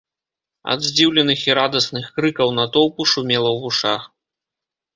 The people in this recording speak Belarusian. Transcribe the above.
Ад здзіўленых і радасных крыкаў натоўпу шумела ў вушах.